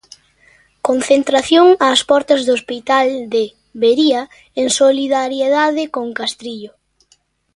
Concentración ás portas do hospital de Vería en solidariedade con Castrillo.